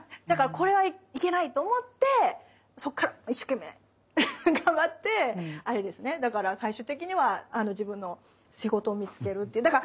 だからこれはいけないと思ってそこからもう一生懸命頑張ってだから最終的には自分の仕事を見つけるっていう。